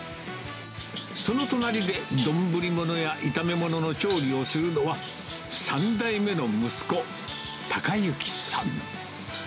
その隣で丼物や、炒め物の調理をするのは、３代目の息子、孝之さん。